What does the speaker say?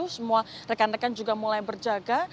semua rekan rekan juga mulai berjaga